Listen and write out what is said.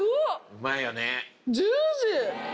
うまいよね。